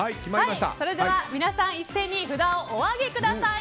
では、皆さん一斉に札をお上げください。